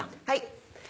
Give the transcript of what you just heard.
はい。